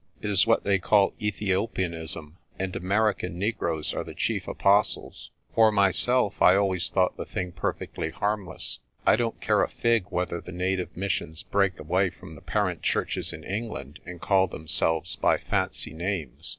It is what they call 'Ethiopianism,' and American negroes are the chief apostles. For myself, I always thought the thing perfectly harmless. I don't care a fig whether the native missions break away from the parent churches in England and call themselves by fancy names.